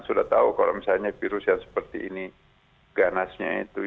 sudah tahu kalau misalnya virus yang seperti ini ganasnya itu